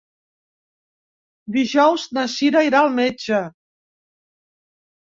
Dijous na Cira irà al metge.